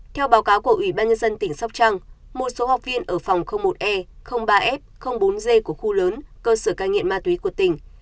theo báo cáo của ủy ban nhân dân tỉnh sóc trăng một số học viên ở phòng một e ba f bốn g của khu lớn cơ sở cai nghiện ma túy của tỉnh